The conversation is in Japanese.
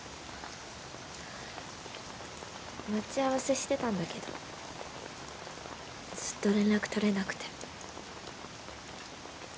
待ち合わせしてたんだけどずっと連絡取れなくて。